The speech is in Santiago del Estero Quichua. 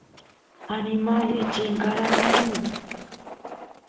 animales chinkaranku